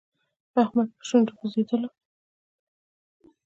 احمد په شونډو بزېدلو.